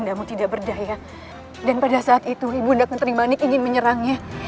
sampai jumpa di video selanjutnya